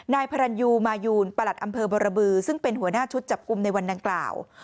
นายพรรณยูมายูนประหลัดอำเภอบรบือซึ่งเป็นหัวหน้าชุดจับกลุ่มในวันดังกล่าว